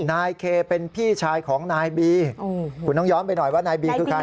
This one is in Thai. นายเคเป็นพี่ชายของนายบีคุณต้องย้อนไปหน่อยว่านายบีคือใคร